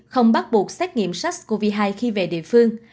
không bắt buộc xét nghiệm sars cov hai khi về địa phương